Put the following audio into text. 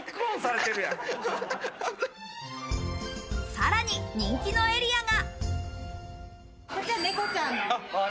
さらに人気のエリアが。